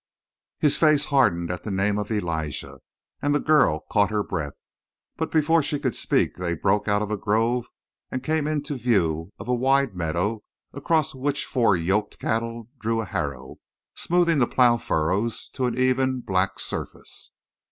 His face hardened at the name of Elijah, and the girl caught her breath. But before she could speak they broke out of a grove and came in view of a wide meadow across which four yoked cattle drew a harrow, smoothing the plow furrows to an even, black surface.